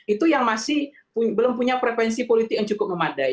itu yang masih belum punya frekuensi politik yang cukup memadai